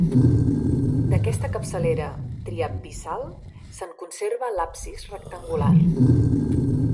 D'aquesta capçalera triabsidal se'n conserva l'absis rectangular.